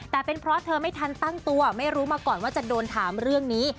แต่เป็นเพราะเธอไม่ทันตั้งตัวไม่รู้มาก่อนว่าจะโดนถามเรื่องนี้